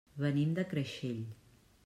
Venim de Creixell.